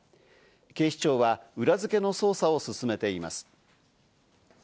警視庁は裏付けの捜査を進めています。